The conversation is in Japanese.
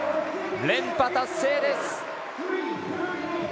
連覇達成です。